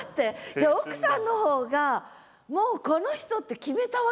じゃあ奥さんのほうがもうこの人って決めたわけ？